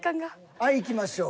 はいいきましょう。